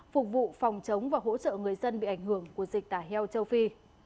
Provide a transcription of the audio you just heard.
phục vụ phòng chống và hỗ trợ người dân bị ảnh hưởng của dịch tả heo châu phi